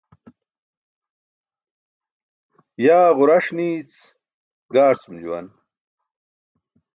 Yaa ġuraṣ niic gaarcum juwan